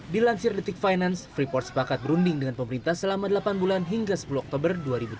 dilansir detik finance freeport sepakat berunding dengan pemerintah selama delapan bulan hingga sepuluh oktober dua ribu dua puluh